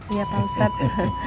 iya pak ustadz